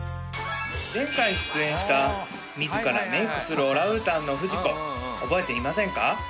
前回出演した自らメイクするオランウータンのフジコ覚えていませんか？